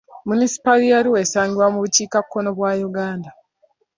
Munisipaali ya Arua esangibwa mu bukiikakkono bwa Uganda.